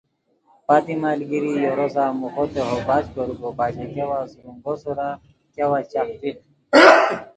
پھتی ملگیری یورو سار موخو تہو بچ کوریکو بچین کیا وت سرونگو سورا کیا وت چن ٹیق